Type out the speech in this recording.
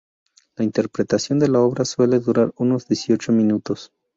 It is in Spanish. La interpretación de la obra suele durar unos dieciocho minutos.